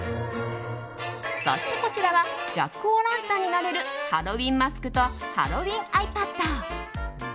そして、こちらはジャック・オー・ランタンになれるハロウィンマスクとハロウィンアイパッド。